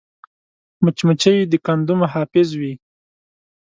مچمچۍ د کندو محافظ وي